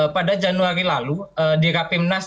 pada januari lalu di rapimnas